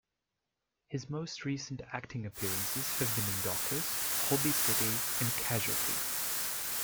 His most recent acting appearances have been in "Doctors", "Holby City" and "Casualty".